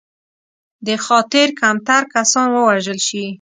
دې خاطر کمتر کسان ووژل شي.